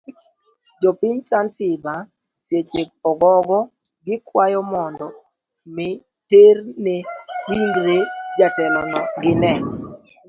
Jopiny zanziba seche ogogo gikwayo mondo mi terne ringre jatelono ginee